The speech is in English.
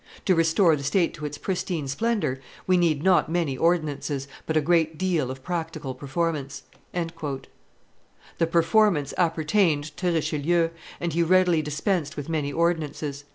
To restore the state to its pristine splendor, we need not many ordinances, but a great deal of practical performance." The performance appertained to Richelieu, and he readily dispensed with many ordinances.